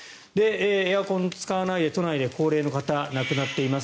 エアコンを使わないで都内で高齢の方、亡くなっています。